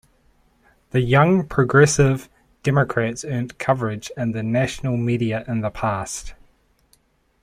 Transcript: The Young Progressive Democrats earned coverage in the national media in the past.